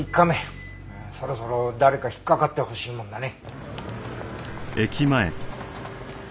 そろそろ誰か引っかかってほしいもんだね。